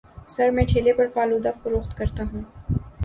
سر میں ٹھیلے پر فالودہ فروخت کرتا ہوں